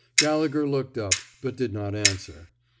Gallegher looked up, but did not an swer.